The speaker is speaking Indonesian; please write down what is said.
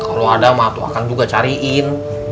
kalau ada mah tuh akan juga cariin